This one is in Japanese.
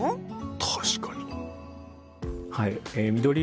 確かに。